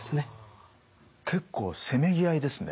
結構せめぎ合いですね。